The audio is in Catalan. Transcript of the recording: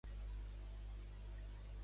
On es mudaria Lircos més tard?